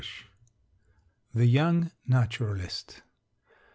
THE YOUNG NATURALIST.